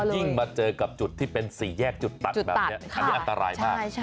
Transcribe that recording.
โดยเห็นก่อนว่าเจอกับจุดที่เป็นสี่แยกจุดตัดมันอันตรายมาก